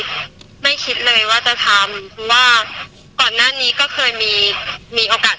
เจ้าคิดว่าแต่คิดใจหนูลูกจะทำไม่ดีให้ลูกมาก